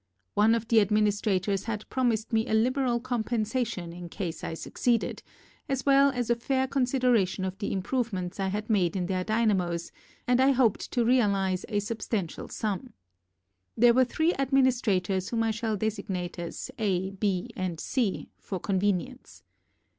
One of the admin istrators had promised me a liberal compen sation in case I succeeded, as well as a fair consideration of the improvements I had made in their dynamos and I hoped to real ize a substantial sum. There were three administrators whom I shall designate as A, B and C for convenience.